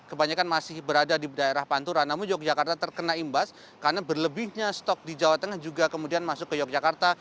kebanyakan masih berada di daerah pantura namun yogyakarta terkena imbas karena berlebihnya stok di jawa tengah juga kemudian masuk ke yogyakarta